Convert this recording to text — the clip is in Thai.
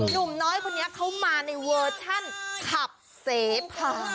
หนุ่มน้อยคนนี้เขามาในเวอร์ชันขับเสพา